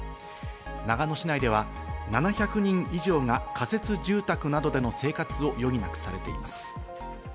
長野市内では７００人以上が仮設住宅などでの生活を余儀なくされています。